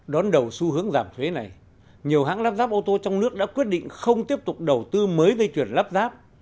đón đầu xu hướng giảm thuế này nhiều hãng lắp ráp ô tô trong nước đã quyết định không tiếp tục đầu tư mới dây chuyển lắp ráp